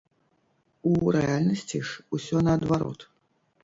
У рэальнасці ж усё наадварот.